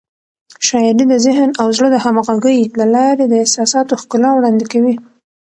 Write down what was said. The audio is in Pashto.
شاعري د ذهن او زړه د همغږۍ له لارې د احساساتو ښکلا وړاندې کوي.